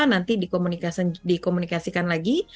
nanti dikomunikasikan lagi